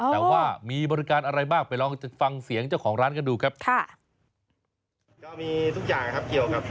แต่ว่ามีบริการอะไรบ้างไปลองฟังเสียงเจ้าของร้านกันดูครับค่ะ